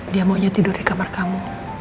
dia maunya tidur di kamar kamu